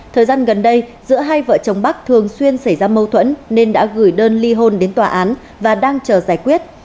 thời gian gần đây giữa hai vợ chồng bắc thường xuyên xảy ra mâu thuẫn nên đã gửi đơn ly hôn đến tòa án và đang chờ giải quyết